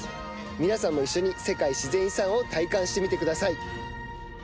皆さんも一緒に、世界自然遺産を体感してみてください。